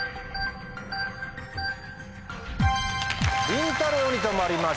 りんたろうに止まりました。